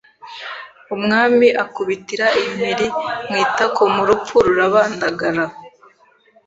Umwami akubitira impiri mu itakomurupfu rurabandagara